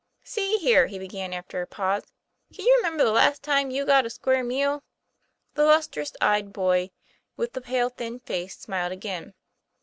''See here," he began after a pause. "Can you remember the last time you got a square meal ?' The lustrous eyed boy with the pale, thin face smiled again.